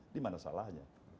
di mana salahnya